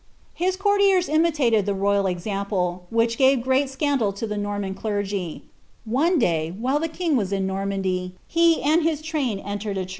His courtiers imhatal the royal example, which gave great ncandal to the Norman ctcrff One day, while the king was in Normandy, he and his train eiiioM a MATILDA OF SCOTLAND.